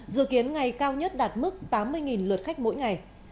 dự kiến ngày cao nhất đạt mức tám mươi lượt khách mỗi ngày